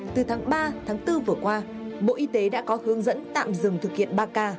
từ tháng ba bốn vừa qua bộ y tế đã có hướng dẫn tạm dừng thực kiện ba k